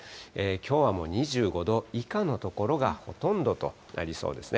きょうはもう２５度以下の所がほとんどとなりそうですね。